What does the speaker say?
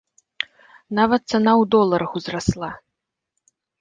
Нават цана ў доларах узрасла!